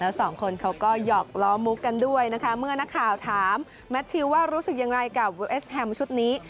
แล้วสองคนเขาก็หยอกล้อมุกกันด้วยนะคะเมื่อนักข่าวถามแมททิวว่ารู้สึกยังไงกับเวสแฮมชุดนี้